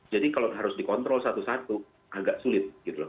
jadi kalau harus dikontrol satu satu agak sulit gitu loh